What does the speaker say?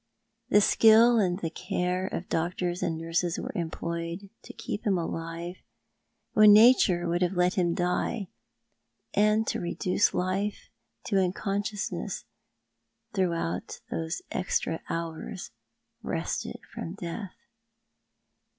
The skill and the care of doctors and nurses were employed to keep him alive when Natnre would have let him die, and to reduce life to un consciousness throughout those extra hours wrested from death.